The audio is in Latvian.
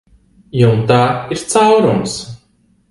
Jumtā ir caurums.